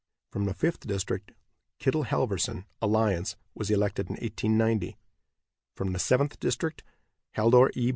From the Fifth district Kittle Halverson, Alliance, was elected in 1890. From the Seventh district Haldor E.